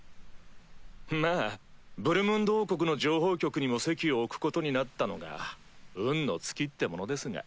まぁブルムンド王国の情報局にも籍を置くことになったのが運の尽きってものですが。